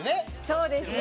そうですね。